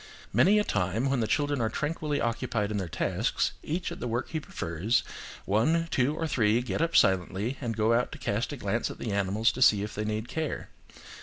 Many a time when the children are tranquilly occupied in tasks, each at the work he prefers, one, two, or three, get up silently, and go out to cast a glance at the animals to see if they need care.